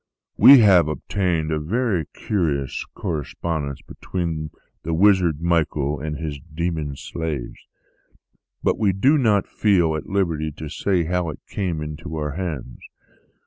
We have obtained a very curious correspondence between the wizard Michael and his demon slaves ; but we do not feel at liberty to say how it came into our hands.